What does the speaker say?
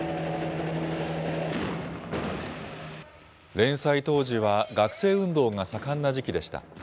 連載当時は学生運動が盛んな時期でした。